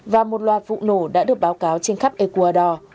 và một loạt vụ nổ đã được báo cáo trên khắp ecuador